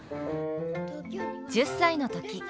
１０歳の時。